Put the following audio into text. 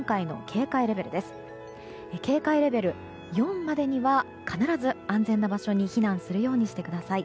警戒レベル４までには必ず、安全な場所に避難するようにしてください。